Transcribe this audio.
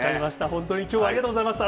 本当にきょうはありがとうございました。